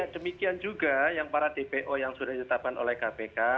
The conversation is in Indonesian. demikian juga yang para dpo yang sudah ditetapkan oleh kpk